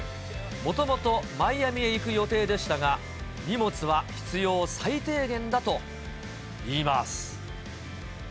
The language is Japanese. もともとマイアミへ行く予定でしたが、荷物は必要最低限だといいます。